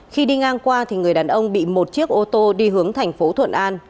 khi đi ngang qua thì người đàn ông bị một chiếc ô tô đi hướng thành phố thuận an